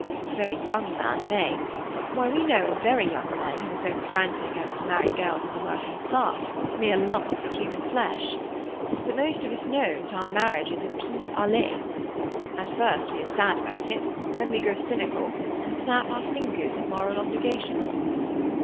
A very young man may; why, we know of very young men who are so frantic as to marry girls of the working class—mere lumps of human flesh. But most of us know that our marriage is a pis aller. At first we are sad about it; then we grow cynical, and snap our fingers at moral obligation."